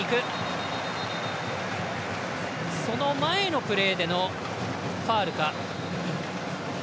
その前のプレーでのファウルか。